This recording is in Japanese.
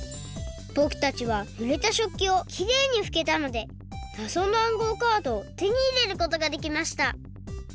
ぼくたちはぬれた食器をきれいにふけたのでなぞの暗号カードをてにいれることができました！